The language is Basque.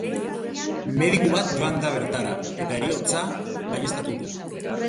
Mediku bat joan da bertara, eta heriotza baieztatu du.